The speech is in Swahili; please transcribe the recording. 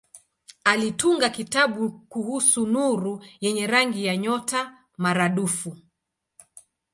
Alitunga kitabu kuhusu nuru yenye rangi ya nyota maradufu.